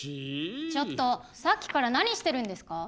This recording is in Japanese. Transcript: ちょっとさっきから何してるんですか？